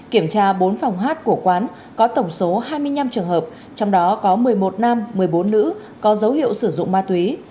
kiểm tra bốn phòng hát của quán có tổng số hai mươi năm trường hợp trong đó có một mươi một nam một mươi bốn nữ có dấu hiệu sử dụng ma túy